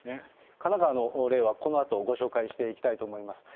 神奈川の例はこのあとご紹介していきたいと思います。